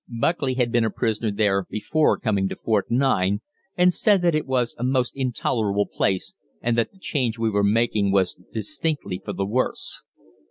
Buckley had been a prisoner there before coming to Fort 9, and said that it was a most intolerable place, and that the change we were making was distinctly for the worse.